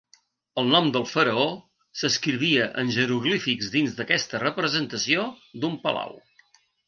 El nom del faraó s'escrivia en jeroglífics dins d'aquesta representació d'un palau.